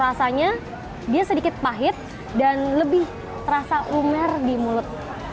rasanya dia sedikit pahit dan lebih terasa umer di mulut